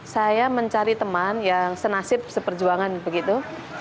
saya mencari teman yang senasib seperjuangan begitu